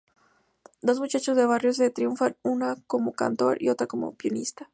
Dos muchachos de barrio que triunfan, uno como cantor y otro como pianista.